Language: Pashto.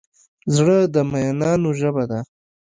زړه د مینانو ژبه ده.